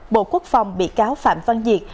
bộ quốc phòng bị cáo phạm văn diệt